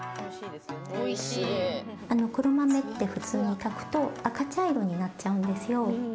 黒豆って普通に炊くと赤茶色になっちゃうんですよ。